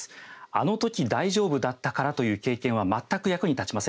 あの時、大丈夫だったからという経験は全く役に立ちません。